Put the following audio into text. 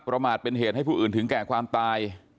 ประมาทเป็นเหตุให้ผู้อื่นถึงแก่ความตาย